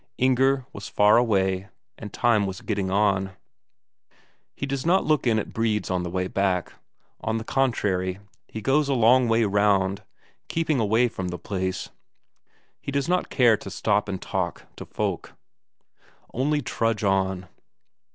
Inger was far away, and time was getting on.... He does not look in at Brede's on the way back; on the contrary, he goes a long way round, keeping away from the place. He does not care to stop and talk to folk, only trudge on.